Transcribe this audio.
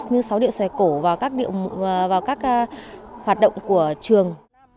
như sáu điệu xòe cổ và các hoạt động của trường